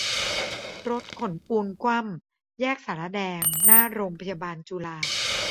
รถขนปูนคว่ำ แยกศาลาแดง หน้าโรงพยาบาลจุฬา